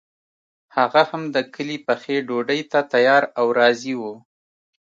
هغه هم د کلي پخې ډوډۍ ته تیار او راضي وو.